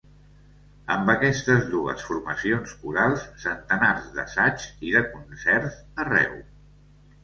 Amb aquestes dues formacions corals centenars d'assaigs i de concerts arreu.